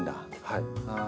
はい。